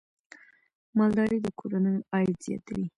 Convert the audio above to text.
مالداري د کورنیو عاید زیاتوي.